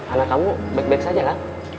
anak kamu baik baik saja kan